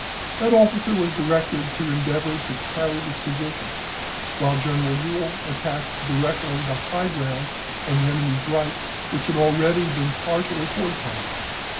That officer was directed to endeavor to carry this position, while General Ewell attacked directly the high ground on the enemy's right, which had already been partially fortified.